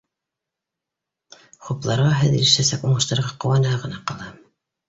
Хупларға, һеҙ ирешәсәк уңыштарға ҡыуанаһы ғына ҡала